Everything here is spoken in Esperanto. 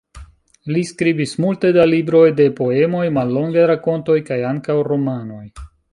Li skribis multe da libroj de poemoj, mallongaj rakontoj, kaj ankaŭ romanoj.